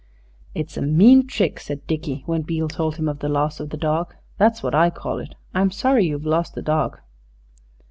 "It's a mean trick," said Dickie when Beale told him of the loss of the dog; "that's what I call it. I'm sorry you've lost the dog."